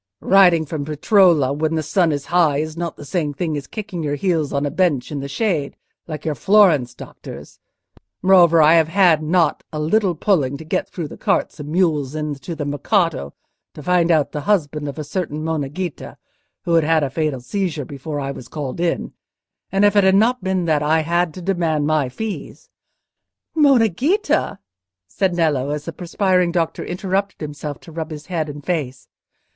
"Riding from Peretola, when the sun is high, is not the same thing as kicking your heels on a bench in the shade, like your Florence doctors. Moreover, I have had not a little pulling to get through the carts and mules into the Mercato, to find out the husband of a certain Monna Ghita, who had had a fatal seizure before I was called in; and if it had not been that I had to demand my fees—" "Monna Ghita!" said Nello, as the perspiring doctor interrupted himself to rub his head and face.